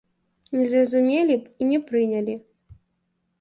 Не зразумелі б і не прынялі.